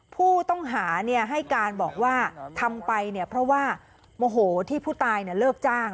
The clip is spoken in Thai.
ผู้ต้องหาให้การบอกว่าทำไปเนี่ยเพราะว่าโมโหที่ผู้ตายเลิกจ้าง